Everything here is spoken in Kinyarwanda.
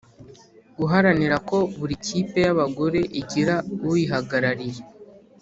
Guharanira ko buri kipe y abagore igira uyihagarariye